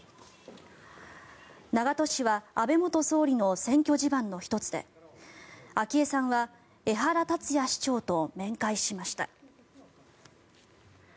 長門市は安倍元総理の選挙地盤の１つで昭恵さんは江原達也市長と面会しました。